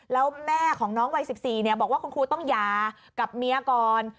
แล้วแม่ของน้องวัย๑๔บอกว่าคุณครูต้องหย่ากับเมียก่อน